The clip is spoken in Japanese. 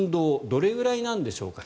どれぐらいなんでしょうか。